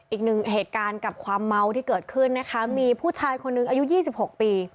อีกหนึ่งเหตุการณ์กับความเมาที่เกิดขึ้นนะคะมีผู้ชายคนหนึ่งอายุ๒๖ปี